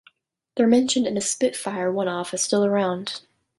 They're mentioned in a "Spitfire" one-off as still around.